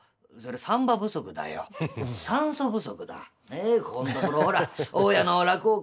ねえここんところほら大家の落語家